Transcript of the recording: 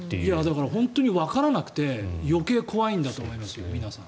だから本当にわからなくて余計怖いんだと思いますよ皆さん。